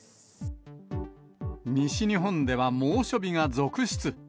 西日本では猛暑日が続出。